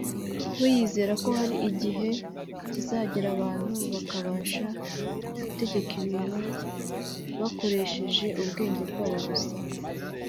we yizera ko hari igihe kizagera abantu bakabasha gutegeka ibintu bakoresheje ubwenge bwabo gusa